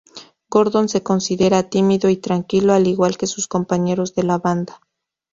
Gordon se considera tímido y tranquilo al igual que sus compañeros de la banda.